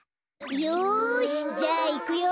よしじゃあいくよ！